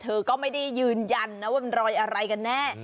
เธอก็ไม่ได้ยืนยันนะว่ามันรอยอะไรกันแน่